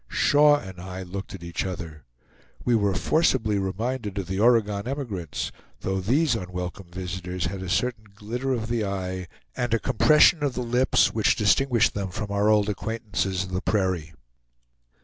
Shaw and I looked at each other. We were forcibly reminded of the Oregon emigrants, though these unwelcome visitors had a certain glitter of the eye, and a compression of the lips, which distinguished them from our old acquaintances of the prairie.